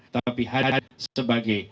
tapi hadir sebagai